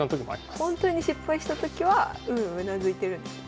ほんとに失敗したときはうんうんうなずいてるんですね。